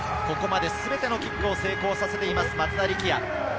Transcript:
ここまですべてのキックを成功させています、松田力也。